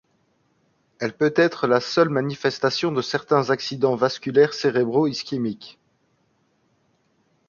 Elle peut être la seule manifestation de certains accidents vasculaires cérébraux ischémiques.